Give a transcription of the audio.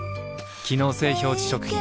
機能性表示食品